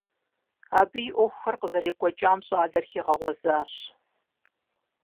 - Абы и Ӏуэхухэр къызэрекӀуэкӀам щӏалэр хигъэгъуэзащ.